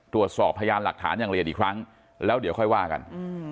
ตรวจสอบพยานหลักฐานอย่างละเอียดอีกครั้งแล้วเดี๋ยวค่อยว่ากัน